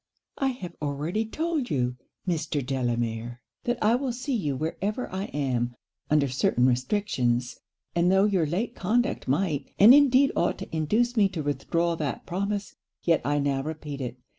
'I have already told you, Mr. Delamere, that I will see you wherever I am, under certain restrictions: and tho' your late conduct might, and indeed ought to induce me to withdraw that promise, yet I now repeat it.